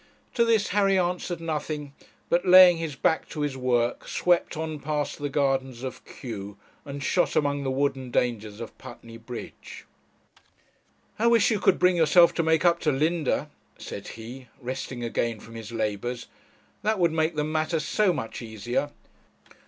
To this Harry answered nothing, but, laying his back to his work, swept on past the gardens of Kew, and shot among the wooden dangers of Putney Bridge. 'I wish you could bring yourself to make up to Linda,' said he, resting again from his labours; 'that would make the matter so much easier.'